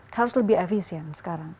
harus lebih efisien sekarang